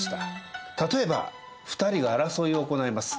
例えば２人が争いを行います。